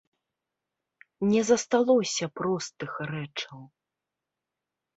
Не засталося простых рэчаў.